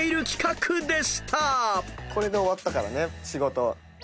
「これで終わったから仕事」